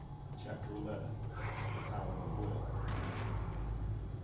CHAPTER XI. THE POWER OF WILL.